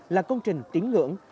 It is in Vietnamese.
là công trình tiếng ngưỡng